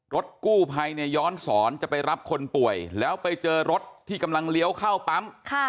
รถกู้ภัยเนี่ยย้อนสอนจะไปรับคนป่วยแล้วไปเจอรถที่กำลังเลี้ยวเข้าปั๊ม